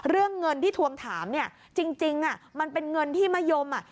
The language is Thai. เรื่องเงินที่ทวงถามเนี่ยจริงมันเป็นเงินที่มะยมอ่ะ